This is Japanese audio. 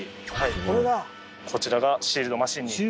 こちらがシールドマシンになります。